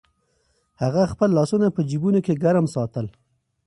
هغه خپل لاسونه په جېبونو کې ګرم ساتل.